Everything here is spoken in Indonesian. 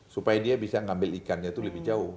supaya dia bisa ngambil ikannya itu lebih jauh